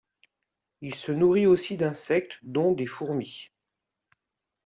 Il se nourrit aussi d'insectes dont des fourmis.